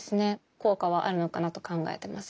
効果はあるのかなと考えてます。